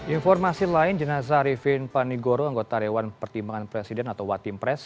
informasi lain jenazah arifin panigoro anggota dewan pertimbangan presiden atau watim pres